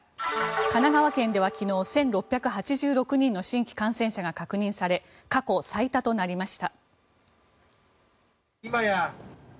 神奈川県では昨日１６８６人の新規感染者が確認され過去最多となりました。